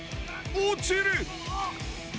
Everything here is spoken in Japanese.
落ちる。